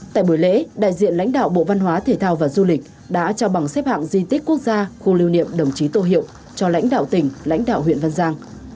tại buổi lễ đại diện lãnh đạo bộ văn hóa thể thao và du lịch đã trao bằng xếp hạng di tích quốc gia khu lưu niệm đồng chí tô hiệu cho lãnh đạo tỉnh lãnh đạo huyện văn giang